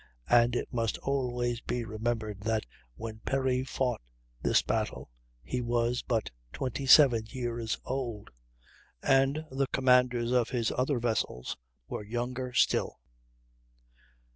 And it must always be remembered that when Perry fought this battle he was but 27 years old; and the commanders of his other vessels were younger still.